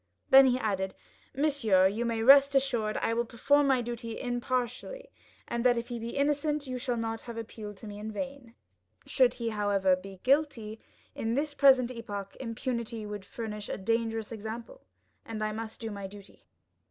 Then he added, "Monsieur, you may rest assured I shall perform my duty impartially, and that if he be innocent you shall not have appealed to me in vain; should he, however, be guilty, in this present epoch, impunity would furnish a dangerous example, and I must do my duty."